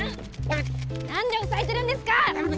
何で押さえてるんですか！